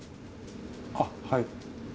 あっはい。